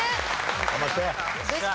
頑張って！